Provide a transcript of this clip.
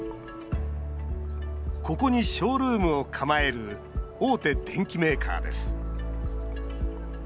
ここにショールームを構える大手電機メーカーです。